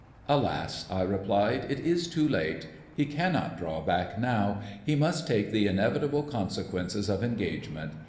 "Alas," I replied, "it is too late he cannot draw back now. He must take the inevitable consequences of engagement.